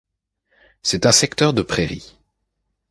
C'est un secteur de prairies.